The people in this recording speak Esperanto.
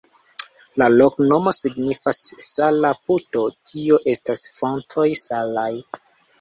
La loknomo signifas sala-puto, tio estas fontoj salaj.